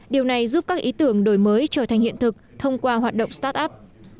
điều này giúp các ý tưởng đổi mới trở thành hiện thực thông qua hoạt động start up